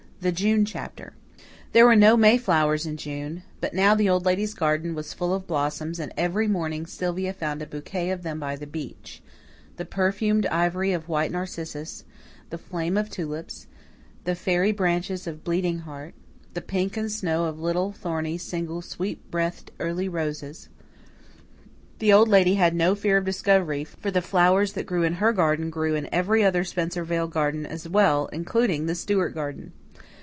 The June Chapter There were no Mayflowers in June; but now the Old Lady's garden was full of blossoms and every morning Sylvia found a bouquet of them by the beech the perfumed ivory of white narcissus, the flame of tulips, the fairy branches of bleeding heart, the pink and snow of little, thorny, single, sweetbreathed early roses. The Old Lady had no fear of discovery, for the flowers that grew in her garden grew in every other Spencervale garden as well, including the Stewart garden.